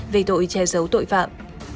về tội che giấu tội phạm